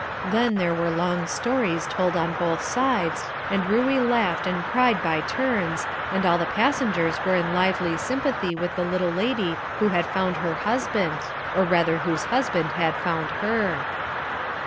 Then there were long stories told on both sides, and Ruey laughed and cried by turns, and all the passengers were in lively sympathy with the little lady who had found her husband, or rather whose husband had found her.